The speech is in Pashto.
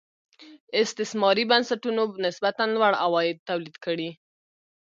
استثماري بنسټونو نسبتا لوړ عواید تولید کړي.